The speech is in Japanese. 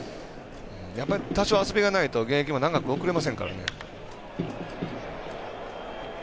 やっぱり多少遊びがないと現役も長く送れませんからね。